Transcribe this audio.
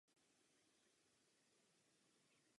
Z této podobnosti vzniklo také jeho pojmenování.